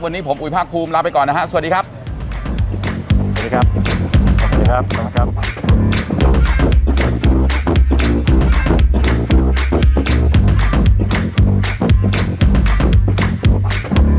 วันนี้ผมอุยภาคภูมิลาไปก่อนนะฮะสวัสดีครับสวัสดีครับ